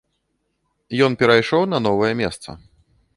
Ён перайшоў на новае месца.